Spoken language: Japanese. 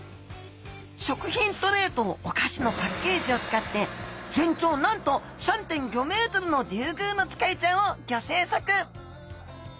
食品トレーとお菓子のパッケージを使って全長なんと３．５ｍのリュウグウノツカイちゃんをギョ制作！